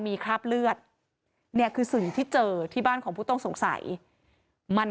มีคราบเลือดเนี่ยคือสิ่งที่เจอที่บ้านของผู้ต้องสงสัยมัน